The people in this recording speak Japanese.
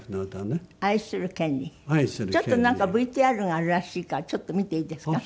ＶＴＲがあるらしいからちょっと見ていいですか？